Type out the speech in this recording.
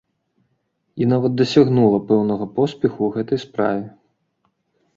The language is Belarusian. І нават дасягнула пэўнага поспеху ў гэтай справе.